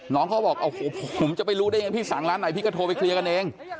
น้องเขาบอกโอ้โหผมจะไปรู้ได้ยังไงพี่สั่งร้านไหนพี่ก็โทรไปเคลียร์กันเอง